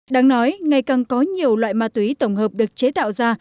đáng nói ngày càng có nhiều loại ma túy tổng hợp được chế tạo ra